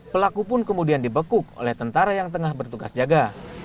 pelaku pun kemudian dibekuk oleh tentara yang tengah bertugas jaga